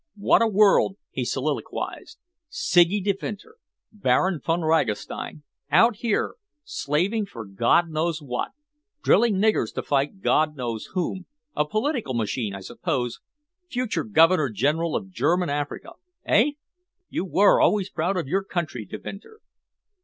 "What a world!" he soliloquised. "Siggy Devinter, Baron Von Ragastein, out here, slaving for God knows what, drilling niggers to fight God knows whom, a political machine, I suppose, future Governor General of German Africa, eh? You were always proud of your country, Devinter."